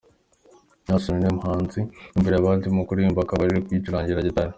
Naason ni we muhanzi ubimburiye abandi mu kuririmba akaba aje yicurangira gitari.